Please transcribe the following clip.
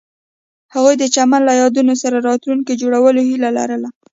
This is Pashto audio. هغوی د چمن له یادونو سره راتلونکی جوړولو هیله لرله.